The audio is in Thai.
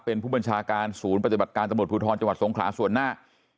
เป็นผู้บัญชาการศูนย์ปฏิบัติการตำรวจภูทรจังหวัดสงขลาส่วนหน้า